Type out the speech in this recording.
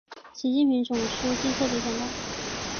习近平总书记特别讲到